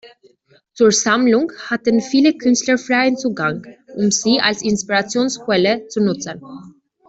Zur Sammlung hatten viele Künstler freien Zugang, um sie als Inspirationsquelle zu nutzen.